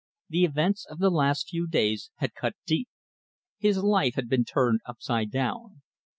The events of the last few days had cut deep. His life had been turned upside down.